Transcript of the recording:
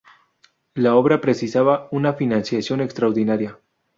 La obra precisaba una financiación extraordinaria.